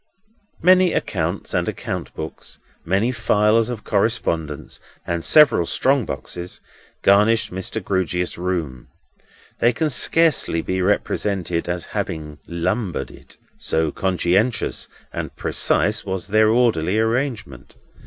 Many accounts and account books, many files of correspondence, and several strong boxes, garnished Mr. Grewgious's room. They can scarcely be represented as having lumbered it, so conscientious and precise was their orderly arrangement.